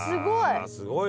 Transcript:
すごい。